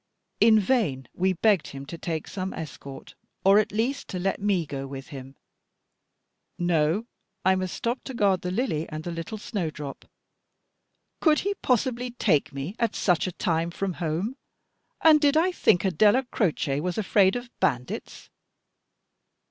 In vain we begged him to take some escort, or at least to let me go with him. No, I must stop to guard the Lily and the little snow drop; could he possibly take me at such a time from home, and did I think a Della Croce was afraid of bandits?